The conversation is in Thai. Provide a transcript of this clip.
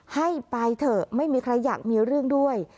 ให้ไปเถอะไม่มีใครอยากมีเรื่องด้วย